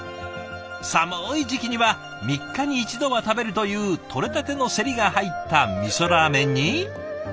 寒い時期には３日に一度は食べるという取れたてのせりが入ったみそラーメンに。